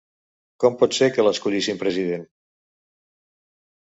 Com pot ser que l'escollissin president?